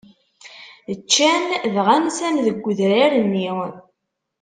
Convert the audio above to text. Ččan, dɣa nsan deg udrar-nni.